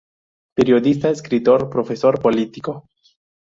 Periodista, escritor, profesor, político.